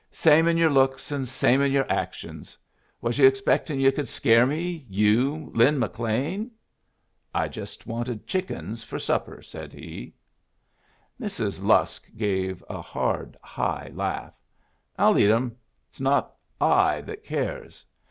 "Same in your looks and same in your actions. Was you expecting you could scare me, you, Lin McLean?" "I just wanted chickens for supper," said he. Mrs. Lusk gave a hard high laugh. "I'll eat 'em. It's not I that cares.